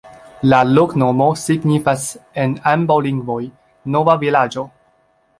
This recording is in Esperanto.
La loknomo signifas en ambaŭ lingvoj: nova vilaĝo.